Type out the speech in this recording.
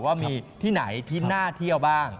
ว่ามีที่ไหนที่น่าเที่ยวบ้าง